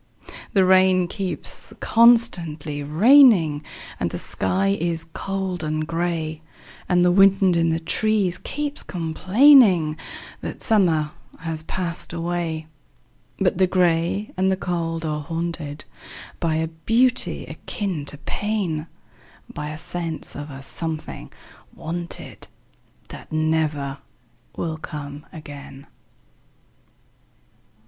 The rain keeps constantly raining, And the sky is cold and gray, And the wind in the trees keeps complainingThat summer has passed away;—But the gray and the cold are hauntedBy a beauty akin to pain,—By a sense of a something wanted, That never will come again.